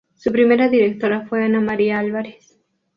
Su primera directora fue Ana María Alvarez.